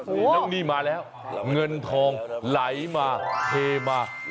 แล้วนี่มาแล้วเงินทองไหลมาเทมา